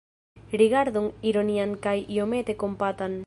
Rigardon ironian kaj iomete kompatan.